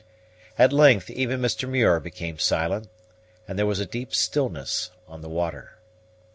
At length, even Mr. Muir became silent, and there was a deep stillness on the water.